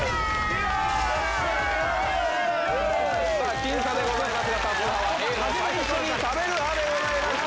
僅差でございますが多数派はＡの最初に食べる派でございました。